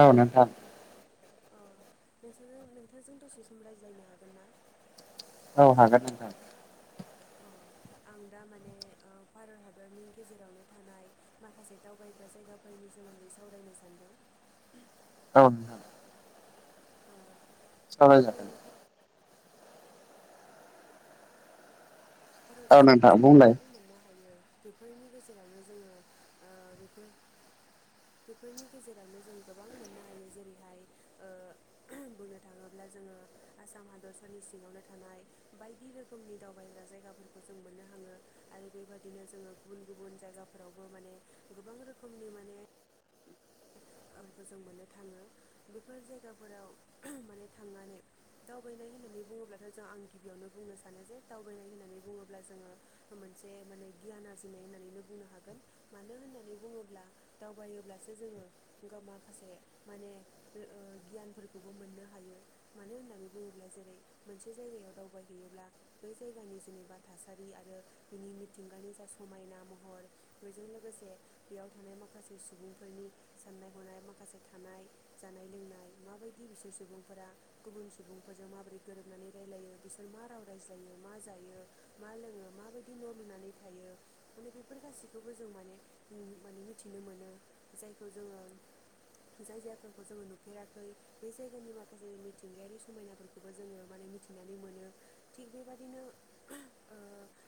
औ नोंथां। अ नोंसाजो नोंथांजों दसे सम रायज्लायनो हागोन ना? औ हागोन नोंथां। अ आं दा माने ओ भारत हादरनि गेजेरावनो थानाय माखासे दावबायग्रा जायगाफोरनि सोमोन्दै सावरायनो सानदों। औ नोंथां। ओ सावरायजागोन दावबायग्रा फा भारत औ चिनारि नोंथां जायगा बुंलाय होननानै मोननो हायो। बेफोरनि गेजेरावनो जोङो ओ बेफोर बेफोरनि गेजेरावनो जों गोबां मोननो हायो जेरैहाय ओ बुंनो थाङोब्ला जोङो आसाम हादरसानि सिङावनो थानाय बायदि रोखोमनि दावबायग्रा जायगाफोरखौ जों मोननो हाङो। आरो बेबायदिनो जोङो गुबुन गुबुन जायगाफोरावबो माने गोबां रोखोमनि माने ओरफो जों मोननो थाङो। बेफोर जायगाफोराव माने थांनानै दावबायनाय होननानै बुङोब्लाथ' जों आं गिबियावनो बुंनो सानो जे दावबायनाय होननानै बुङोब्ला जोङो मोनसे माने गियान आरजिनाय होननानैनो बुंनो हागोन। मानो होननानै बुङोब्ला दावबायोब्लासो जोङो गाव माखासे माने ओ ओ गियानफोरखौबो मोननो हायो। मानो होननानै बुङोब्ला जेरै मोनसे जायगायाव दावबायहैयोब्ला बै जायगानि जेनेबा थासारि आरो बिनि मिथिंगानि जा समायना महर बेजों लोगोसे बेयाव थानाय माखासे सुबुंफोरनि साननाय हनाय माखासे थानाय जानाय लोंनाय माबायदि बिसोर सुबुंफोरा गुबुन सुबुंफोरजों माबोरै गोरोबनानै रायलायो बिसोर मा राव रायज्लायो मा जायो मा लोङो माबायदि न' लुनानै थायो माने बेफोर गासैखौबो जों माने माने मिथिनो मोनो खौ जोङो जाय जायफोरखौ जोङो नुफेराखै बे जायगानि माखासे मिथिंगायारि समायनाफोरखौबो जोङो माने मिथिनानै मोनो थिग बेबादिनो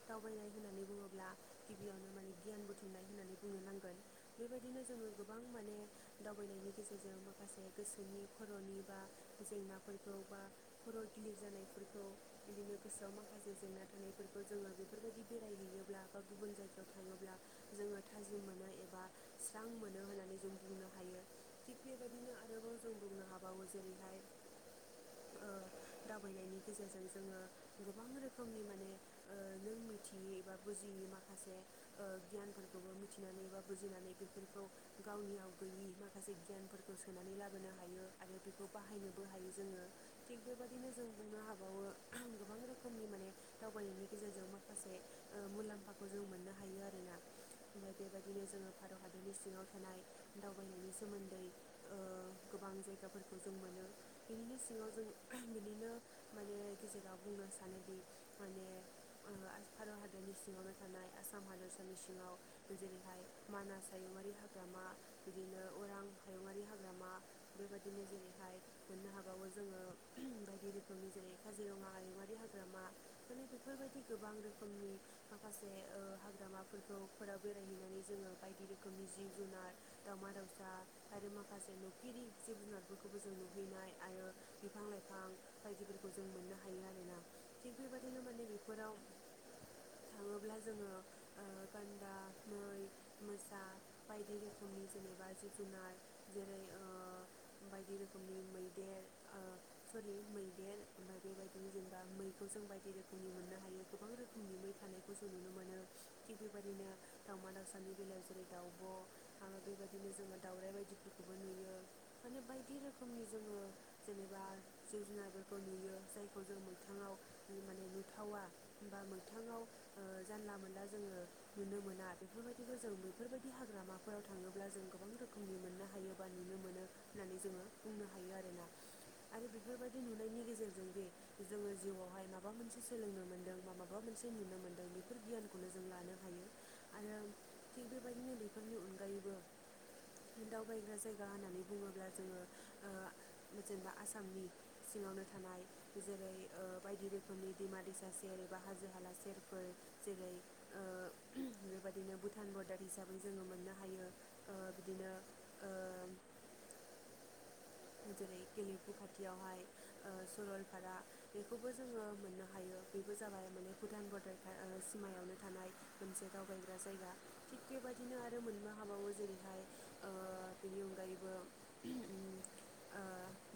दावबायनाय होननानै बुङोब्ला गिबियावनो माने गियान बुथुमनाय होननानै बुंनो नांगोन बेबायदिनो जोङो गोबां माने दावबायनायनि गेजेरजों माखासे गोसोनि खर'नि बा जेंनाफोरखौ बा खर' गिलिर जानायफोरखौ बिदिनो गोसोआव माखासे जेंना थानायफोरखौ जोङो बेफोरबायदि बेरायहैयोब्ला बा गुबुन जायगायाव थाङोब्ला जोङो थाजिम मोनो एबा स्रां मोनो होननानै जों बुंनो हायो थिग बेबायदिनो आरोबाव जों बुंनो हाबावो जेरैहाय ओ दावबायनायनि गेजेरजों जोङो गोबां रोखोमनि माने नों मिथियै एबा बुजियै माखासे ओ गियानफोरखौबो मिथिनानै बा बुजिनानै बेफोरखौ गावनियाव गैयि माखासे गियानफोरखौ सोनानै लाबोनो हायो आरो बेखौ बाहायनोबो हायो जोङो थिग बेबादिनो जों बुंनो हाबावो गोबां रोखोमनि माने दावबायनायनि गेजेरजों माखासे मुलाम्फाखौ जों मोननो हायो आरोना ओमफ्राय बेबायदिनो जोङो भारत हादरनि सिङाव थानाय थानाय दावबायनायनि सोमोन्दै गोबां जायगाफोरखौ जों मोनो बिनिनो सिङाव जों बिनिनो माने गेजेराव बुंनो सानोदि माने भारत हादरनि सिङावनो थानाय आसाम हादरसानि सिङाव जेरैहाय मानास हायुङारि हाग्रामा बिदिनो अरां हायुङारि हाग्रामा बे बायाददिनो जेरैहाय मोननो हाबावो जोङो बायदि रोखोमनि जेरै काजिरङा आयुआारि हाग्रामा माने बेफोरबायदि गोबां रोखोमनि माखासे हाग्रामाफोरखौफोरा बेरायहैनानै जोङो बायदि रोखोमनि जिब जुनार दाउमा दाउसा आरो माखासे नुफेर जिब जुनारफोरखौबो जों नुहैनाय आरो बिफां लाइफां बायदिफोरखौ जों मोननो हायो आरोना थिग बेबायदिनो माने बेफोराव थाङोब्ला जोङो ओ गान्दा मै मोसा बायदि रोखोमनि जेनेबा जिब जुनार जेरै बायदि रोखोमनि मैदेर ओ सरि मैदेर ओमफ्राय बेबायदिनो जेनेबा मैखौ जों बायदि रोखोमनि मोननो हायो गोबां रोखोमनि मै थानायखौ जों नुनो मोनो थिग बेबायदिनो दाावमा दावउसानि बेलायाव जेरै दाउ ब' आरो बेबायदिनो जोङो दाउराइ बायदिफोरखौबो नुयो माने बायदि रोखोमनि जोङो जेनेबा जिब जुनारफोरखौ नुयो जायखौ जों मैथाङाव माने नुथावा बा मैथाङाव जानला मोनला जोङो नुनो मोना बेफोरबायदिखौ जों बेैफोरबायदि बिदि हाग्रामाफोराव थाङोब्ला जों गोबां रोखोमनि मोननो हायो बा नुनो मोनो होननानै जोङो बुंनो हायो आरोना आरो बेफोरबायदि नुनायनि गेजेरजों जे जोङो जिउआवहाय माबा मोनसे सोलोंनो मोन्दों बा माबा मोनसे नुनो मोन्दों बेफोर गियानखौनो जों लानो हायो आरो थिग बेबायदिनो बेफोरनि अनगायैबो दावबायग्रा जायगा होननानै बुङोब्ला जोङो जेनेबा आसामनि सिङावनो थानाय जेरै ओ बायदि रोखोमनि दैमा दैसा सेर एबा हाजो हाला सेरफोर जेरै ओ बेबायदिनो भुटान बर्डार हिसाबै जोङो मोननो हायो ओ बिदिनो ओ जेरै गेलेमफु खाथियावहाय ओ सरलपारा बेखौबो जोङो मोननो हायो बेबो जाबाय माने भुटान बर्डार ओ सिमायावनो थानाय मोनसे दावबायग्रा जायगा थिग बेबायाददिनो आरो मोननो हाबावो जेरैहाय ओ बेनि अनगायैबो ओ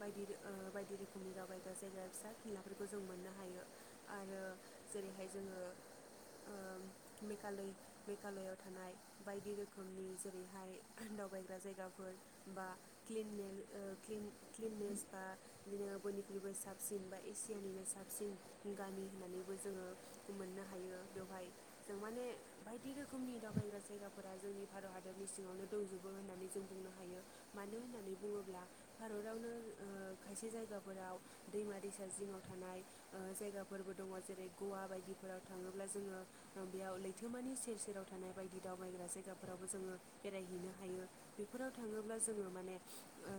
बायदि ओ बायदि रोखोमनि दावबायग्रा जायगा फिसा फिलाफोरखौ जों मोननो हायो आरो जेरैहाय जोङो ओ मेघालय मेघालयाव थानाय बायदि रोखोमनि जेरैहाय दावबायग्रा जायगाफोर बा किनेल ओ क्लिननेस बा बिदिनो बयनिख्रुइबो साबसिन बा एसियानिनो साबसिन गामि होननानैबो जोङो मोननो हायो बेवहाय जों माने बायदि रोखोमनि दावबायग्रा जायगाफोरा जोंनि भारत हादरनि सिङावनो दंजोबो होननानै जों बुंनो हायो मानो होननानै बुङोब्ला भारतावनो ओ खायसे जायगाफोराव दैमा दैसा जिङाव थानाय ओ जायगाफोरबो दङ जेरै गवा बायदिफोराव थाङोब्ला जोङो बेयाव लैथोमानि सेर सेराव थानाय बायदि दावबायग्रा जायगाफोरावबो जोङो बेरायहैनो हायो बेफोराव थाङोब्ला जोङो माने ओ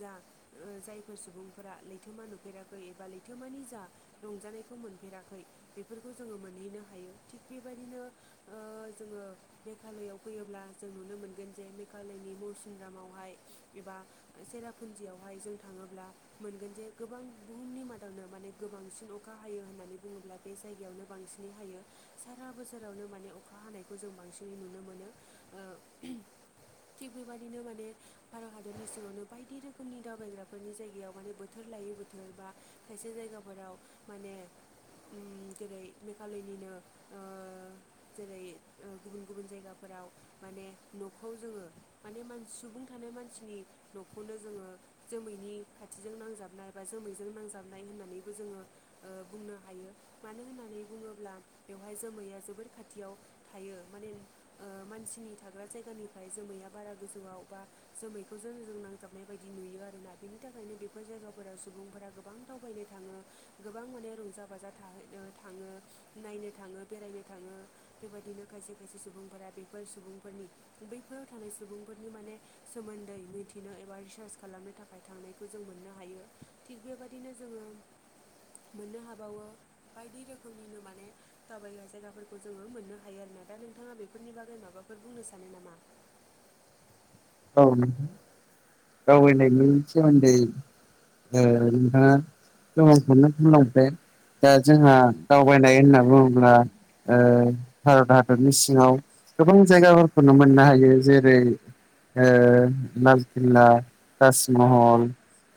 जा ओ जायफोर सुबुंफोरा लैथोमा नुफेराखै एबा लैथोमानि जा रंजानायखौ मोनफेराखै बेफोरखौ जोङो मोनहैनो हायो थिग बेबायदिनो ओ जोङो मेघालयआव फैयोब्ला जों नुनो मोनगोन जे मेघालयनि मौसिनगाव हाय एबा सेरापुन्जियावहाय जों थाङोब्ला मोनगोन जे गोबां बुहुमनि मादावनो माने गोबांसिन अखा हायो होननानै बुङोब्ला बे जायगायावनो बांसिनै हायो सारा बोसोरावनो माने अखा हानायखौ जों बांसिनै नुनो मोनो ओ उम थिग बेबादिनो माने भारत हादरनि सिङावनो बायदि रोख फुंनि दावबायग्राफोरनि जायगायाव माने बोथोर लायै बोथोर बा खायसे जायगाफोराव माने उम जेरै मेघालयनिनो ओ जेरै गुबुन गुबुन जायगाफोराव माने न'खौ जोङो माने सुबुं थानाय मानसिनि न'खौनो जोङो जोमैनि खाथिजों नांजाबनाय बा जोमैजों नांजाबनाय होननानैबो जोङो ओ बुंनो हायो मानो होननानै बुङोब्ला बेवहाय जोमैया जोबोर खाथियाव थायो माने - ओ मानसिनि थाग्रा जायगानिफ्राय जोमैया बारा गोजौआव बा जोमैखौ जोंजों- फोजाबनाय बायदि नुयो आरोना बिनि थाखायनो बेफोर जायगाफोराव सुबुंफोरा गोबां दावबायनो थाङो। गोबां माने रंजा बाजा थाहैनो थाङो नायनो थाङो बेरायनो थाङो बेबायदिनो खायसे खायसे सुबुंफोरा बेफोर सुबुंफोरनि बैफोराव थानाय सुबुंफोरनि माने सोमोन्दै मि- बिनो एबा रिसार्च खालामनो थाखाय थांनायखौ जों मोननो हायो थिग बेबाददिनो जोङो मोननो हाबावो बायदि रोखोमनिनो माने दावबायग्रा जायगाफोरखौ जोङो मोननो हायो आरोना दा नोंथाङा बेफोरनि बागै माबाफोर बुंनो सानो नामा औ औै नायनि सोमोन्दै [unintelligible] दा जोंहा दावबायनाय होनना बुङोब्ला ओ भारत हादरनि सिङाव गोबां जायगाफोरखौनो मोननो हायो जेरै ए लालकिल्ला ताज महल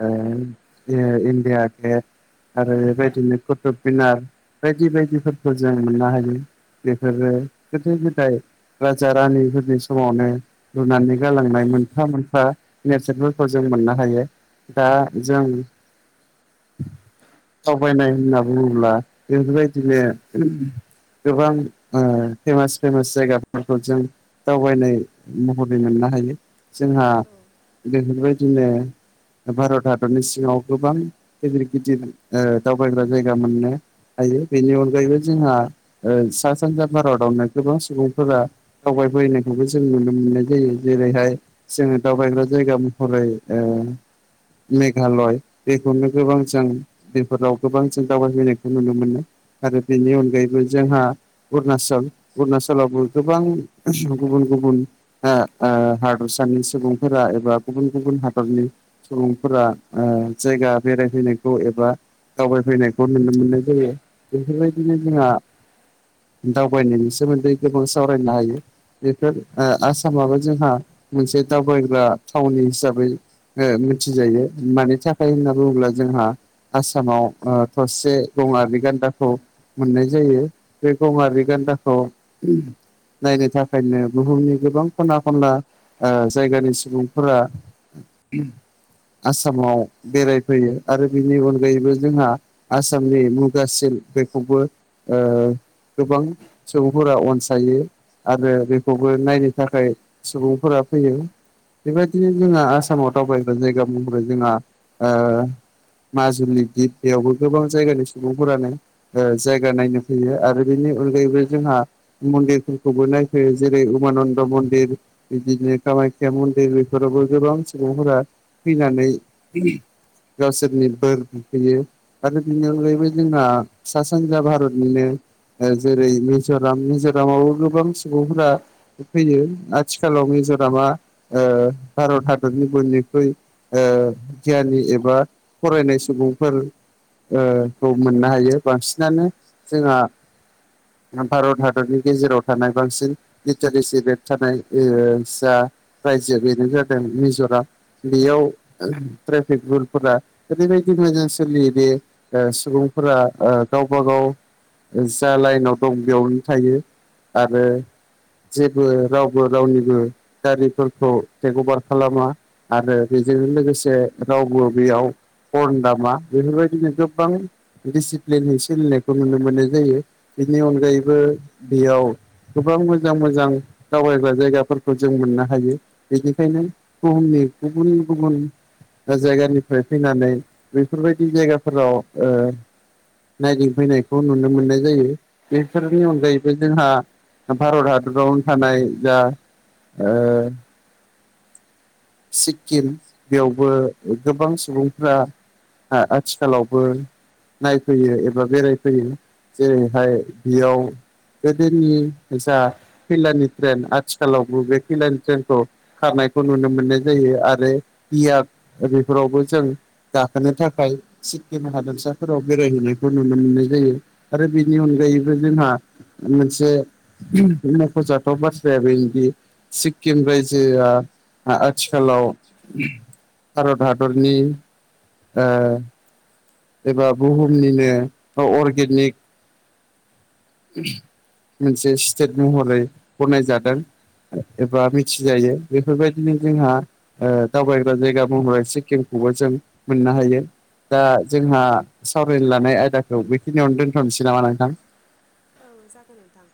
ओ बिदिनो इण्डिया गेट आरो बेबायदिनो कुथुब मिनार बायदि बायदिफोरखौ जों नुनो हायो बेफोरो गोदो गोदाय राजा रानिफोरनि समावनो लुनानै गालांनाय मोनफा मोनफा नेेरसोनफोरखौ जों मोननो हायो दा जों [inaudible] दावबायनाय होनना बुङोब्ला बेफोरबायदिनो गोबां ओ फेमास फेमास जायगाफोरखौ जों दावबायनाय महरै मोननो हायो जोंहा बेफोरबायदिनो भारत हादरनि सिङाव गोबां गिदिर गिदिर ओ दावबायग्रा जायगा मोननो हायो बेनि अनगायैबो जोंहा ओ सा सानजा भारतावनो गोबां सुबुंफोरा दावबायफैनायखौबो जों नुनो मोननाय जायो जेरैहाय जोङो दावबायग्रा जायगा महरै ओ मेघालय बेखौनो गोबां जों बेफोराव गोबां जों दावबायहैनायखौ नुनो मोनो आरो औ बेनि अनगायैबो जोंहा अरुनाचल अरुनाचलावबो गोबां गुबुन गुबुन ओ ओ हादरसानि सुबुंफोरा एबा गुबुन गुबुन हादरनि सुबुंफोरा ओ जायगा बेरायफैनायखौ एबा दावबायफैनायखौ नुनो मोननाय जायो बेफोरबायदिनो जोंहा दावबायनायनि सोमोन्दै गोबां सावरायनो हायो बेफोर ओ आसामाबो जोंहा मोनसे दावबायग्रा थावनि हिसाबै ओ मिथिजायो मानि थाखाय होनना बुङोब्ला जोंहा आसामाव थरसे गङारि गान्दाखौ मोननाय जायो बे गङारि गान्दाखौ नायनो थाखायनो बुहुमनि गोबां खना एखनबा ओ जायगानि सुबुंफोरा आसामाव बेरायफैयो आरो बेनि अनगायैबो जोंहा आसामनि मुगा सिल्क बेखौबो ओ गोबां सुबुंफोरा अनसायो आरो बेखौबो नायनो थाखाय सुबुंफोरा फैयो बेबायदिनो जोंहा आसामाव दावबायग्रा जायगा महरै जोंहा माजुलि दिप बेयावबो गोबां जायगानि सुबुंफोरानो ओ जायगा नायनो फैयो आरो बेनि अनगायैबो जोंहा मन्दिरफोरखौबो नायफैयो जेरै उमानन्द मन्दिर बिदिनो कामाख्या मन्दिर बेफोरावबो गोबां सुबुंफोरा फैनानै गावसोरनि बोर बिहैयो आरो बिनि अनगायैबो जोंहा सा सानजा भारतनिनो ओ जेरै मिज'राम मिज'रामावबो गोबां सुबुंफोरा फैयो आ थिखालाव मिज'रामा ओ भारत हादरनि बयनिख्रुइ ओ गियानि एबा फरायनाय सुबुंफोर ओ खौ मोननो हायो बांसिनानो जोंहा भारत हादरनि गेजेराव थानाय बांसिन लिटारेसि रेट थानाय ओ जा रायजो बेनो जादों मिज'राम बेयाव ट्रेफिक रुलफोरा ओरैबायदि मोजां सोलियो दे ओ सुबुंफोरा ओ गावबा गाव जा लाइनाव दं बेयावनो थायो आरो जेबो राव बो रावनिबो गारिफोरखौ टेक अभार खालामा आरो बेजों लोगोसे रावबो बेयाव हर्न दामा बेफोरबायदिनो गोबां दिडसिप्लिनजों सोलिनायखौ नुनो मोननाय जायो बेनि अनगायैबो बेयाव गोबां मोजां मोजां दावबायग्रा जायगाफोरखौ जों मोननो हायो बेनिखायनो बुहुमनि गुबुन गुबुन जायगानिफ्राय फैनानै बेफोरबायदि जायगाफोराव ओ नायदिंफैनायखौ नुनो मोननाय जायो। बैफोरनि अनगायैबो जोंहा भारत हादरावनो थानाय जा ओ सिक्किम बेयावबो गोबां सुबुंफ्रा आ आथिखालावबो नायफोयो एबा बेरायफोयो जेरैहाय बेयाव गोदोनि जा खैलानि ट्रेन आथिखालावबो बे खैलानि ट्रेनखौ खारनायखौ नुनो मोननाय जायो। आरो इयाग बेफोरावबो जों गाखोनो थाखाय सिक्किम हादोरसाफोराव बेरायहैनायखौ नुनो मोननाय जायो। आरो बेनि अनगायैबो जोंहा मोनसे- ओम मख' जाथाव बाथ्राया बेनोदि सिक्किम रायजोआ - थिखालाव भारत हादरनि ओ- ओ बुहुमनिनो ओव अर्गेनिक ओम मोनसे स्टेट महरै गनाय जादों! एबा मिथिजायो बेफोरबायदिनो जोंहा- ओ दावबायग्रा जायगा महरै सिक्किमखौबो जों मोननो हायो! दा जोंहा सावरायनो लानाय आयदाखौ बेखिनियावनो दोनथ'नोसै नामा नोंथां! औ जागोन नोंथां।